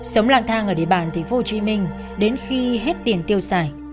sống lang thang ở địa bàn thị phố hồ chí minh đến khi hết tiền tiêu xài